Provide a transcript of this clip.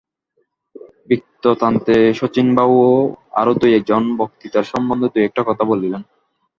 বক্তৃতান্তে শচীনবাবু ও আর দু-একজন বক্তৃতার সম্বন্ধে দু-একটি কথা বলিলেন।